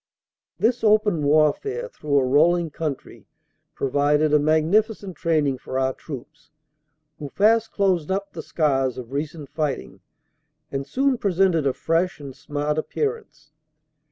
This open warfare through a rolling country provided a magnificent training for our troops, who fast closed up the scars of recent fighting and soon presented a fresh and smart appearance.